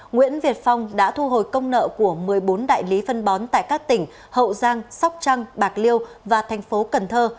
nguyễn việt phong đã thu hồi công nợ của một mươi bốn đại lý phân bón tại các tỉnh hậu giang sóc trăng bạc liêu và thành phố cần thơ